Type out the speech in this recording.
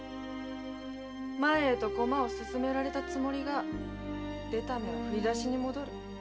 前へと駒を進められたつもりが出た目は「振り出しに戻る」。